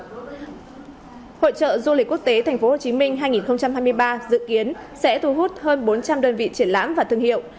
hội trợ du lịch quốc tế thành phố hồ chí minh hai nghìn hai mươi ba dự kiến sẽ thu hút hơn bốn trăm linh đơn vị triển lãm và thương hiệu